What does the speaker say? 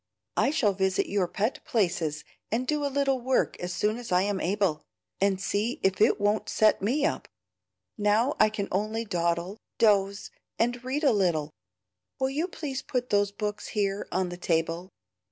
"I shall visit your pet places and do a little work as soon as I am able, and see if it won't set me up. Now I can only dawdle, doze, and read a little. Will you please put those books here on the table?